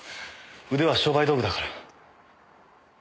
腕は商売道具だから。